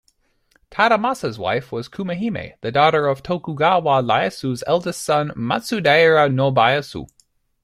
Tadamasa's wife was Kumahime, the daughter of Tokugawa Ieyasu's eldest son Matsudaira Nobuyasu.